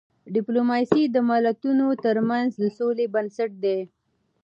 ډيپلوماسی د ملتونو ترمنځ د سولې بنسټ دی.